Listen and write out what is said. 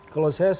kalau saya semakin